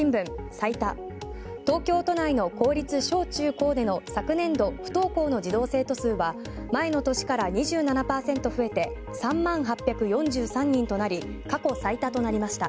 最多、東京都内の公立小中高での昨年度不登校の児童生徒数は前の年から２７％増えて３万８４３人となり過去最多となりました。